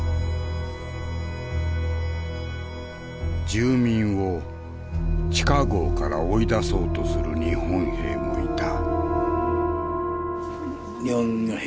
住民を地下壕から追い出そうとする日本兵もいた。